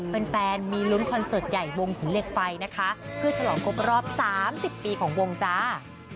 แฟนมีลุ้นคอนเสิร์ตใหญ่วงหินเหล็กไฟนะคะเพื่อฉลองครบรอบ๓๐ปีของวงจ้า